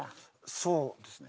そうですね。